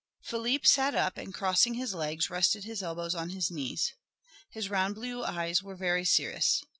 Philippe sat up and crossing his legs rested his elbows on his knees. His round blue eyes were very serious.